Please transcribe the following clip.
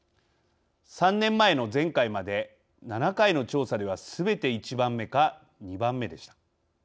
３年前の前回まで７回の調査ではすべて１番目か２番目でした。